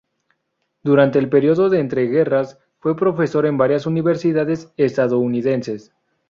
Durante el periodo de entreguerras fue profesor en varias universidades estadounidenses.